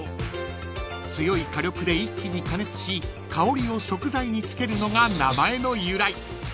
［強い火力で一気に加熱し香りを食材につけるのが名前の由来］